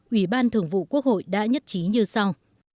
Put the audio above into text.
ủy ban thường vụ quốc hội đã nhất trí như sau